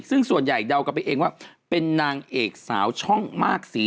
ซึ่งส่วนใหญ่เดากันไปเองว่าเป็นนางเอกสาวช่องมากสี